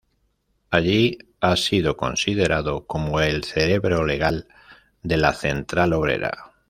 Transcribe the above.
Allí ha sido considerado como el "cerebro legal de la central obrera".